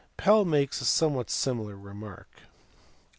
7 Pell makes a somew T hat similar remark.